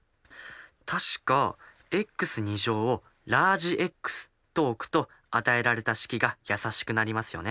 確かｘをＸとおくと与えられた式が易しくなりますよね。